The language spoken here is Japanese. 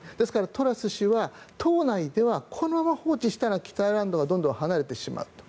トラス氏は、党内ではこのまま放置したら北アイルランドはどんどん離れてしまうと。